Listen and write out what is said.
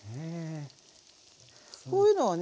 こういうのをね